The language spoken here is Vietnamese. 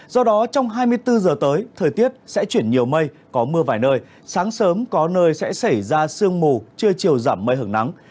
do đó trong hai mươi bốn giờ tới thời tiết sẽ chuyển nhiều mây có mưa vài nơi sáng sớm có nơi sẽ xảy ra sương mù trưa chiều giảm mây hưởng nắng